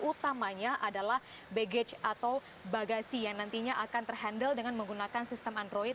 utamanya adalah baggage atau bagasi yang nantinya akan terhandle dengan menggunakan sistem android